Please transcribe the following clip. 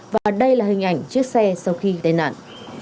và đây là hình ảnh chiếc xe sau khi tai nạn